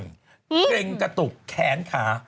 เกร็งกระตุกแขนขา